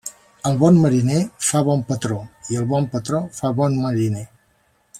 El bon mariner fa bon patró i el bon patró fa bon mariner.